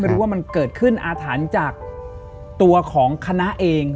รู้ว่ามันเกิดขึ้นอาถรรพ์จากตัวของคณะเอง